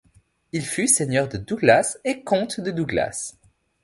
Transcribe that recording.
Il fut seigneur de Douglas, et comte de Douglas.